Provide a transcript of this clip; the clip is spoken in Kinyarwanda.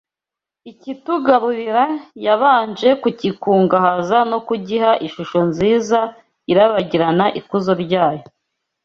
ikitugarurira yabanje kugikungahaza no kugiha ishusho nziza irabagirana ikuzo ryayo